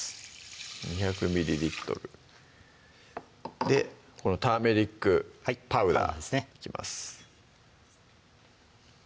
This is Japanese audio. ２００でこのターメリックパウダーいきます